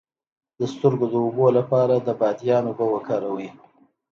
د سترګو د اوبو لپاره د بادیان اوبه وکاروئ